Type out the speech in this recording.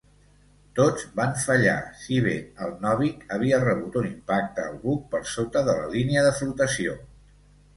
Tots van fallar, si bé el Novik havia rebut un impacte al buc per sota de la línia de flotació.